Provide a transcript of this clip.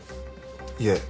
いえ。